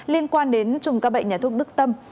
liên quan đến chủng ca bệnh nhà thuốc đức tâm